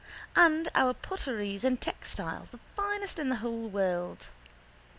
And our potteries and textiles, the finest in the whole world!